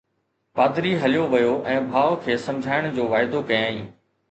پادري هليو ويو ۽ ڀاءُ کي سمجهائڻ جو واعدو ڪيائين.